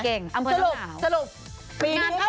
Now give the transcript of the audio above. เก่งอำเภอน้ำหนาวสรุป